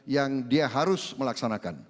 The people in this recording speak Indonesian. yang dia harus melaksanakan